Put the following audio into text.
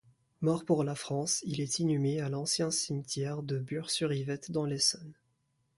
Mort pour la France, il est inhumé à l'ancien cimetière de Bures-sur-Yvette dans l'Essonne.